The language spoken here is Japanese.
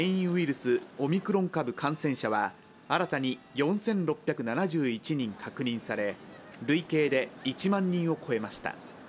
スオミクロン株感染者は新たに４６７１人確認され累計で１万人を超えました。